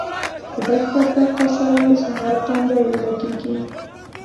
له دغه بدبخته سره مې سهار تندی ولګېږي.